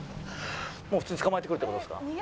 もう普通に捕まえてくるって事ですか？